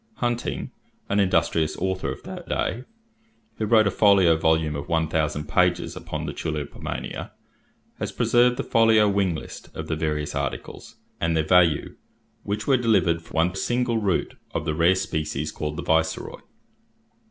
Hunting, an industrious author of that day, who wrote a folio volume of one thousand pages upon the tulipomania, has preserved the folio wing list of the various articles, and their value, which were delivered for one single root of the rare species called the Viceroy: florins.